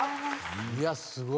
いやすごい。